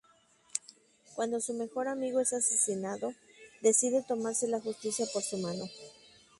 Cuando su mejor amigo es asesinado, decide tomarse la justicia por su mano.